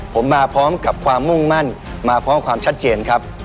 ผมมาพร้อมกับความมุ่งมั่นมาพร้อมความชัดเจนครับ